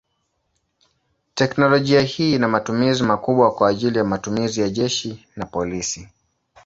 Teknolojia hii ina matumizi makubwa kwa ajili matumizi ya jeshi na polisi.